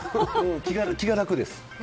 気が楽です。